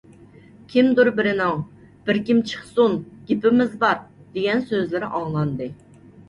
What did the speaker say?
كىمدۇر بىرىنىڭ: «بىر كىم چىقسۇن، گېپىمىز بار!» دېگەن سۆزلىرى ئاڭلاندى.